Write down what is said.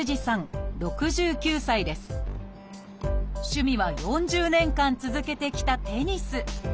趣味は４０年間続けてきたテニス。